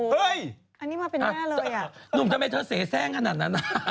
อเรนนี่มาเป็นหน้าเลยอะนุ้มทำไมเธอเสียแทร้งอันนั้น